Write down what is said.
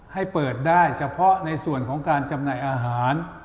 ให้เปิดได้เฉพาะในส่วนของการจำหน่ายอาหาร